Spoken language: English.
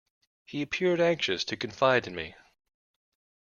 He appeared anxious to confide in me.